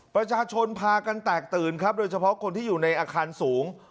ประชาชนพากันแตกตื่นครับโดยเฉพาะคนที่อยู่ในอาคารสูง